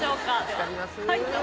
助かります。